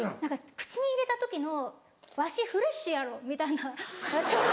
口に入れた時の「わしフレッシュやろ」みたいな食感。